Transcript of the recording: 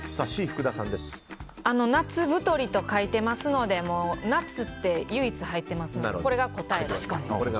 夏太りと書いてありますので夏って唯一入っていますからこれが答えです。